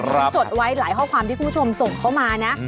ฉันจดไว้หลายข้อความที่คุณผู้ชมส่งเข้ามานะ